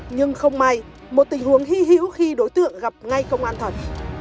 nhưng không may một tình huống hy hữu khi đối tượng gặp ngay công an thật